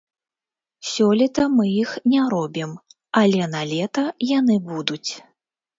Сёлета мы іх не робім, але налета яны будуць.